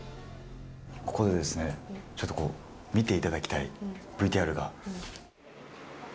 ここでですね、ちょっとこう、見ていただきたいＶＴＲが。